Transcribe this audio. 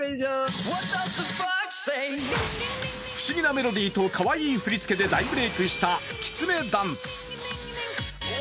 不思議なメロディーでとかわいい振り付けで大ブレイクしたきつねダンス。